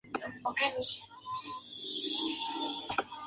Luego fue abuela de Paola Venegas y de Guillermo Venegas Jr.